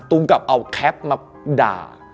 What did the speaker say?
ตุ๋มกลับเอาแคปมาด่า